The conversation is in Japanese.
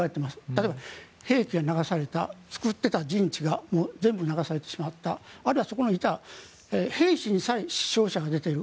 例えば、兵器が流された作っていた陣地が全部流されてしまったあるいはそこにいた兵士にさえ死傷者が出ている。